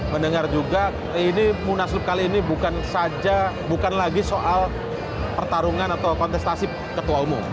mendengar juga ini munas kali ini bukan lagi soal pertarungan atau kontestasi ketua umum